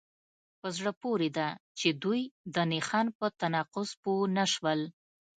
په زړه پورې ده چې دوی د نښان په تناقض پوه نشول